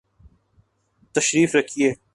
تشریف رکھئے